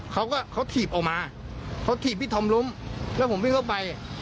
เขาก็เขาถีบออกมาเขาถีบพี่ธอมล้มแล้วผมวิ่งเข้าไป